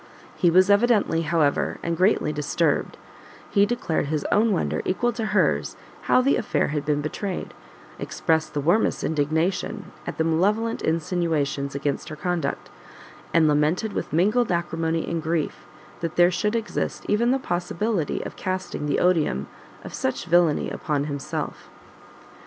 He was evidently, however, and greatly disturbed; he declared his own wonder equal to hers how the affair had been betrayed, expressed the warmest indignation at the malevolent insinuations against her conduct, and lamented with mingled acrimony and grief, that there should exist even the possibility of casting the odium of such villainy upon himself.